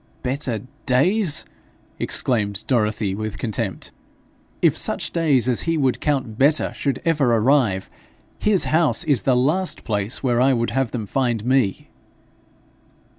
'Better days!' exclaimed Dorothy with contempt. 'If such days as he would count better should ever arrive, his house is the last place where I would have them find me!'